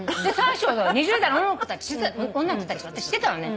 ２０代の女の子たちと私してたのね。